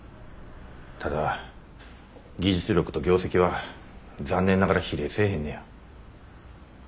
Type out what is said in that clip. ただ技術力と業績は残念ながら比例せえへんのや。